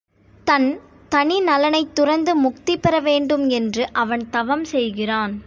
தன் தனி நலனைத் துறந்து முக்தி பெறவேண்டும் என்று அவன் தவம் செய்கிறான்.